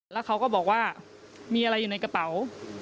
แล้วเขาก็บอกว่ามีอะไรอยู่ในกระเป๋า